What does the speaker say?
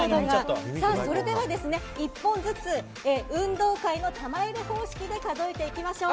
それでは１本ずつ運動会の玉入れ方式で数えていきましょう。